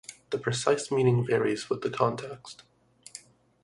The precise meaning varies with the context.